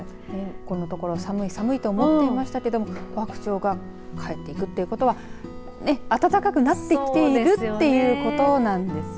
このところ寒い寒いと思っていましたけどコハクチョウが帰っていくということは暖かくなってきているということなんですよね。